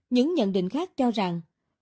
những nhận định khác cho rằng